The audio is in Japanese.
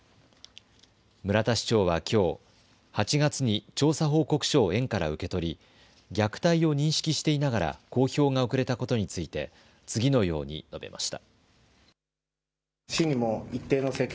村田市長はきょう、８月に調査報告書を園から受け取り、虐待を認識していながら公表が遅れたことについて次のように述べました。